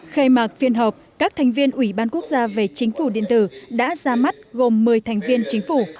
khai mạc phiên họp các thành viên ủy ban quốc gia về chính phủ điện tử đã ra mắt gồm một mươi thành viên chính phủ